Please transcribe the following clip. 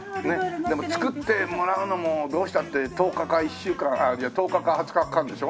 でも作ってもらうのもどうしたって１０日か２０日はかかるんでしょ？